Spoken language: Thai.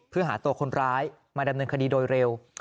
เพื่อหาตัวคนร้ายมาดำเนินคดีโดยเร็ว